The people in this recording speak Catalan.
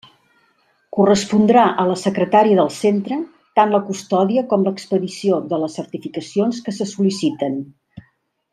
Correspondrà a la secretaria del centre tant la custòdia com l'expedició de les certificacions que se sol·liciten.